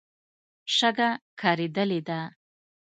شګه کارېدلې ده.